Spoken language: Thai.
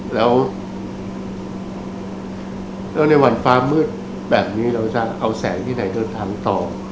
แล้วในวันฟ้ามืดแบบนี้เราจะเอาแสงที่ไหนเดินทางต่อ